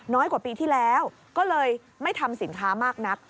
กว่าปีที่แล้วก็เลยไม่ทำสินค้ามากนัก